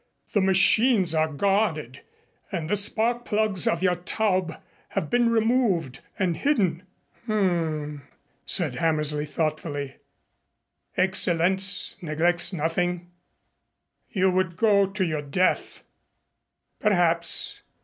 "The machines are guarded, and the spark plugs of your Taube have been removed and hidden." "H'm," said Hammersley thoughtfully. "Excellenz neglects nothing." "You would go to your death." "Perhaps.